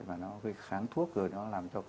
và nó kháng thuốc rồi nó làm cho